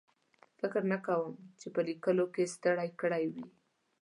فکر نه کوم چې په لیکلو کې ستړی کړی وي.